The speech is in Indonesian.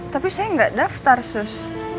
tapi saya nggak daftar sus